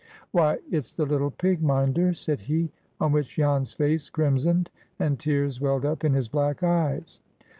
"Why, it's the little pig minder!" said he. On which Jan's face crimsoned, and tears welled up in his black eyes.